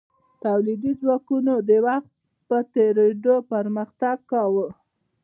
تولیدي ځواکونو د وخت په تیریدو پرمختګ کاوه.